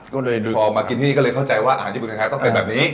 ก็เลยพอมากินที่นี่ก็เลยเข้าใจว่าอาหารที่เมืองไทยต้องเป็นแบบนี้